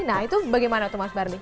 nah itu bagaimana tuh mas barli